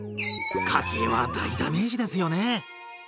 家計は大ダメージですよね。